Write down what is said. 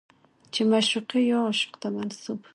چې معشوقې يا عاشق ته منسوب